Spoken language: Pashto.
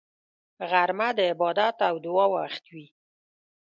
غرمه د عبادت او دعا وخت وي